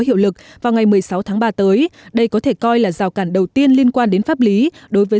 hiệu lực vào ngày một mươi sáu tháng ba tới đây có thể coi là rào cản đầu tiên liên quan đến pháp lý đối với